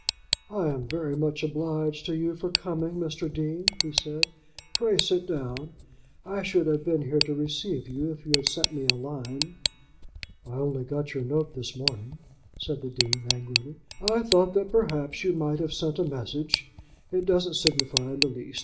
"I am very much obliged to you for coming, Mr. Dean," he said. "Pray sit down. I should have been here to receive you if you had sent me a line." "I only got your note this morning," said the Dean angrily. "I thought that perhaps you might have sent a message. It doesn't signify in the least.